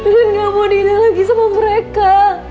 rin gak mau dihina lagi sama mereka